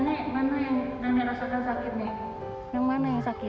nenek nenek rasakan sakit nih yang mana yang sakit